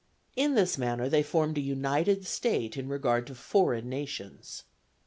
In this manner they formed a united state in regard to foreign nations.